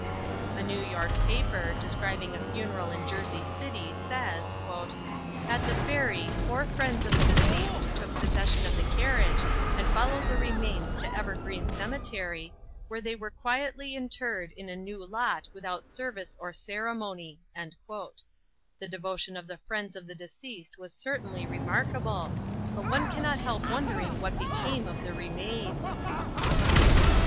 A New York paper, describing a funeral in Jersey City, says: "At the ferry four friends of the deceased took possession of the carriage and followed the remains to Evergreen Cemetery, where they were quietly interred in a new lot without service or ceremony." The devotion of the friends of the deceased was certainly remarkable, but one can not help wondering what became of the remains.